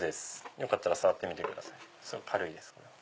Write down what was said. よかったら触ってみてくださいすごい軽いです。